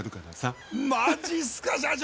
マジっすか社長！？